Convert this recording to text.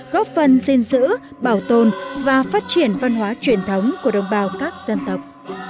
góp phần gìn giữ bảo tồn và phát triển văn hóa truyền thống của đồng bào các dân tộc